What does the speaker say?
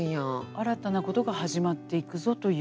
新たなことが始まっていくぞという。